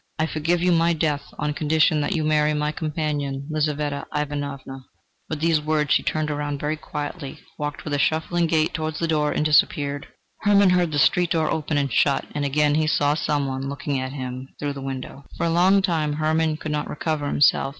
I forgive you my death, on condition that you marry my companion, Lizaveta Ivanovna." With these words she turned round very quietly, walked with a shuffling gait towards the door and disappeared. Hermann heard the street door open and shut, and again he saw some one look in at him through the window. For a long time Hermann could not recover himself.